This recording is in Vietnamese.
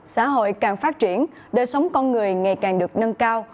xã hội càng phát triển đời sống con người ngày càng được nâng cao